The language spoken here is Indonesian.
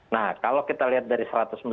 nah kalau kita lihat dari